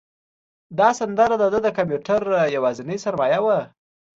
دا سندره د ده د کمپیوټر یوازینۍ سرمایه وه.